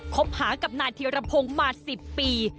คบหากับนายเทียรพงศ์มา๑๐ปี